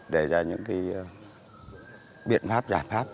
để ra những biện pháp giải pháp